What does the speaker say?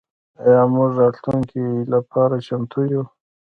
آیا موږ د راتلونکي لپاره چمتو یو؟